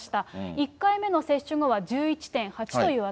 １回目の接種後は１１．８という値。